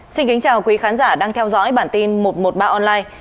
xin kính chào quý khán giả đang theo dõi bản tin một trăm một mươi ba online